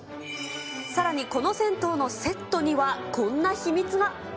さらにこの銭湯のセットにはこんな秘密が。